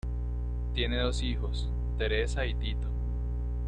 Tiene dos hijos, Teresa y Tito.